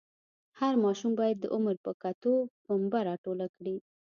هر ماشوم باید د عمر په کتو پنبه راټوله کړي.